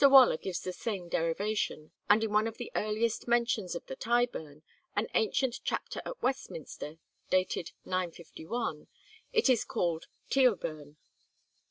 Waller gives the same derivation, and in one of the earliest mentions of the Tyburn, an ancient chapter at Westminster, dated 951, it is called Teoburne.